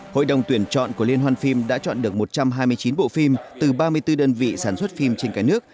hội đồng tuyển chọn của liên hoan phim đã chọn được một trăm hai mươi chín bộ phim từ ba mươi bốn đơn vị sản xuất phim trên cả nước